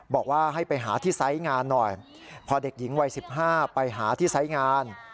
บอกว่าให้ไปหาที่ไซส์งานหน่อยพอเด็กหญิงวัย๑๕ไปหาที่ไซส์งาน